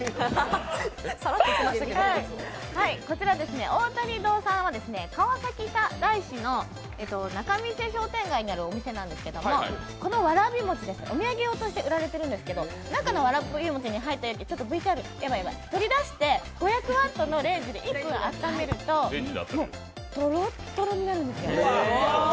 こちら大谷堂さんは川崎大師の仲見世商店街にあるお店なんですけどこのわらび餅、お土産用として売られてるんですけど中のわらび餅を取り出して、５００ワットのレンジで１分あっためるとどろっどろになるんですよ。